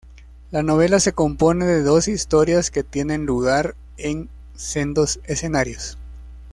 La novela se compone de dos historias que tienen lugar en sendos escenarios.